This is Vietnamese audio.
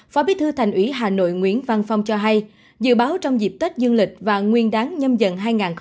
phó bí thư thành ủy hà nội nguyễn văn phong cho hay dự báo trong dịp tết dương lịch và nguyên đáng nhân dân hai nghìn hai mươi hai